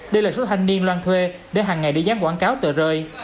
đây là số thanh niên loan thuê để hàng ngày đi dán quảng cáo tờ rơi